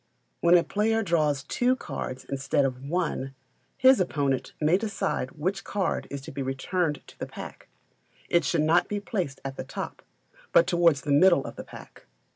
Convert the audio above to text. When a player draws two cards instead of one, his opponent may decide which card is to be returned to the pack it should not be placed at the top, but towards the middle of the pack.